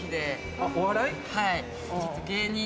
はい。